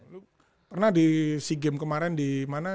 lo pernah di si game kemarin di mana